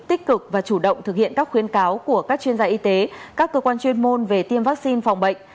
tích cực và chủ động thực hiện các khuyến cáo của các chuyên gia y tế các cơ quan chuyên môn về tiêm vaccine phòng bệnh